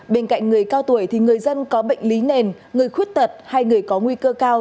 bên cạnh người cao tuổi thì người dân có bệnh lý nền người khuyết tật hay người có nguy cơ cao